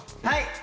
はい！